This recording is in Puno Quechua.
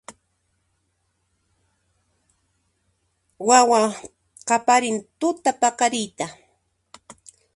Wawa qaparin tutapaqariyta